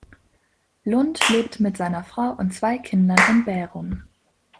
Lund lebt mit seiner Frau und zwei Kindern in Bærum.